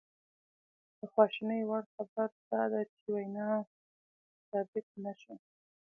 د خواشینۍ وړ خبره دا ده چې وینا ثبت نه شوه